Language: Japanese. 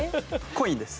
コインです。